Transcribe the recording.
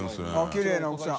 きれいな奥さん。